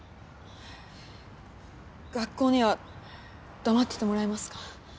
学校には黙っててもらえますか？